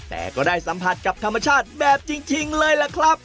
แต่ก็ได้สัมผัสกับธรรมชาติแบบจริงเลยล่ะครับ